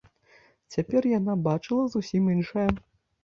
Цяпер яна бачыла зусім іншае.